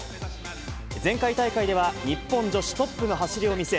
前回大会では日本女子トップの走りを見せ、